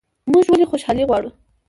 موږ ولې خوشحالي غواړو؟